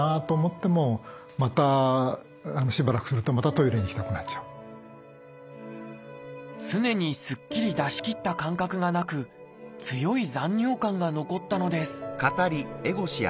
トイレに行っても常にすっきり出しきった感覚がなく強い残尿感が残ったのです。